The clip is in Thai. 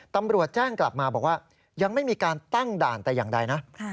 ตำรวจแจ้งกลับมาบอกว่ายังไม่มีการตั้งด่านแต่อย่างใดนะ